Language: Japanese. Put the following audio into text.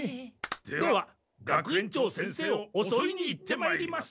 では学園長先生をおそいに行ってまいります。